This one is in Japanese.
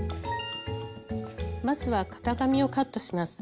まずは型紙をカットします。